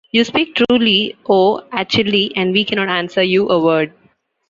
You speak truly, O Achilli, and we cannot answer you a word.